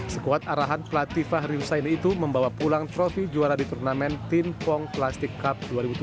sekuat arahan platifah ryusai itu membawa pulang trofi juara di turnamen timpong plastik cup dua ribu tujuh belas